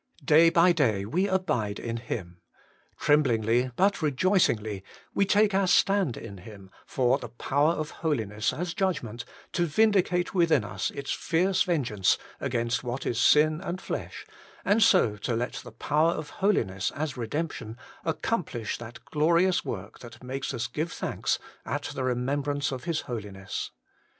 Day by day we abide in Him. Tremblingly but rejoicingly we take our stand in Him, for the Power of Holiness as Judgment to vindicate within us its fierce vengeance against what is sin and flesh, and so to let the Power of Holiness as Redemption accomplish that glorious work that makes us give thanks at the remembrance of His Holiness.